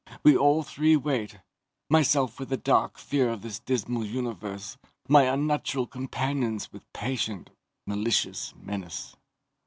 We all three wait, myself with a dark fear of this dismal universe, my unnatural companions with patient, malicious menace.